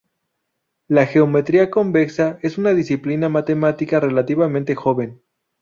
La geometría convexa es una disciplina matemática relativamente joven.